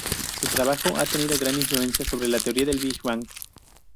Su trabajo ha tenido gran influencia sobre la teoría del Big Bang.